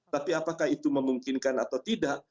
tapi apakah itu memungkinkan atau tidak